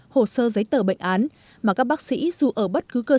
hồ sơ giấy tờ bệnh án mà các bác sĩ dù ở bất cứ cơ sở y tế